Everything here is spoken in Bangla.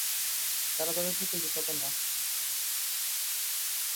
তারা তাদের থেকে লুকাত না।